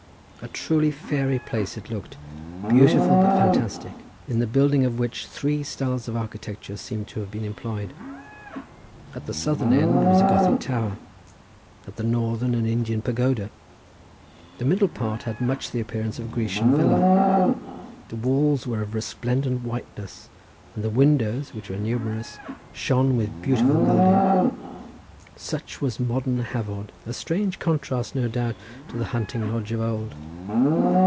A truly fairy place it looked, beautiful but fantastic, in the building of which three styles of architecture seemed to have been employed. At the southern end was a Gothic tower; at the northern an Indian pagoda; the middle part had much the appearance of a Grecian villa. The walls were of resplendent whiteness, and the windows which were numerous shone with beautiful gilding. Such was modern Hafod, a strange contrast, no doubt, to the hunting lodge of old.